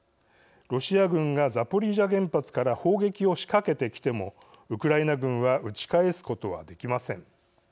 ロシア軍がザポリージャ原発から砲撃を仕掛けてきてもウクライナ軍は撃ち返すことはできません。